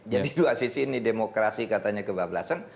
dua sisi ini demokrasi katanya kebablasan